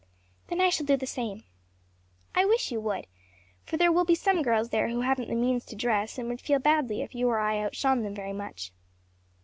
"Then I shall do the same." "I wish you would; for there will be some girls there who haven't the means to dress and would feel badly if you or I outshone them very much."